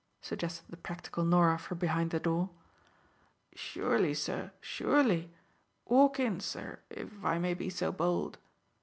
suggested the practical Norah from behind the door. "Surely, sir, surely; walk in, sir, if I may be so bold."